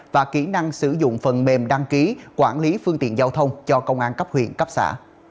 và kỹ năng sử dụng phần mềm đăng ký quản lý phương tiện giao thông cho công an cấp huyện cấp xã